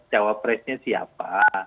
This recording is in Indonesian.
jawab capresnya siapa